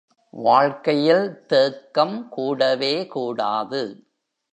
வாழ்க்கையில் தேக்கம் கூடவே கூடாது.